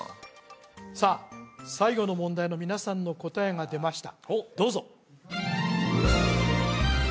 さあ最後の問題の皆さんの答えが出ました